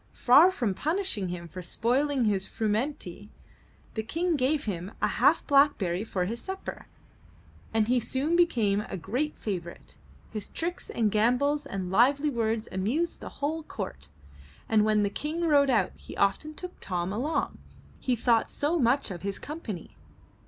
Far from punishing him for spoiling his frumenty, the King gave him a half blackberry for his supper, and he soon became a great favorite. His tricks and gambols and lively words amused the whole court, and when the King rode out, he often took Tom along, he thought so much of his company.